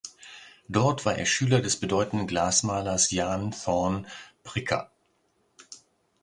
Dort war er Schüler des bedeutenden Glasmalers Jan Thorn Prikker.